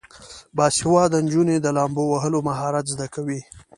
باسواده نجونې د لامبو وهلو مهارت زده کوي.